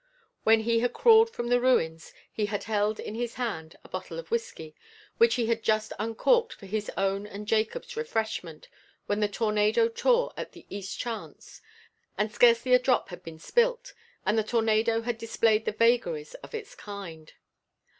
When he had crawled from the ruins he had held in his hand a bottle of whiskey which he had just uncorked for his own and Jacob's refreshment when the tornado tore at the East Chance, and scarcely a drop had been spilt. And the tornado had displayed the vagaries of its kind.